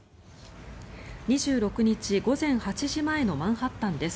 ２６日午前８時前のマンハッタンです。